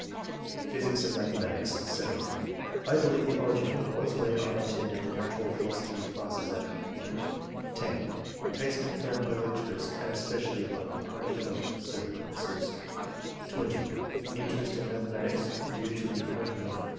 Physics and Mathematics. — (7) I believe the origin was when I attended the natural philosophy classes at .... (10) Tastes con firmed by lectures, and especially by the encouragement of [certain professors]. (20) Interest in mathematics due to the encourage lent of